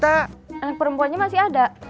anak perempuannya masih ada